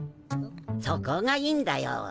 そこがいいんだよ。